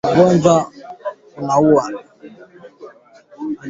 Ugonjwa wa kuhara sana